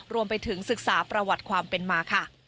รวมไปถึงศึกษาประวัติความเป็นมาค่ะ